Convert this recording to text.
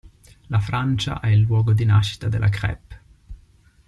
La Francia è il luogo di nascita delle crêpe.